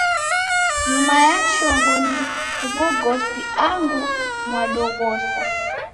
Nyuma ya chongo ni w'ugosi angu mwadoghosa.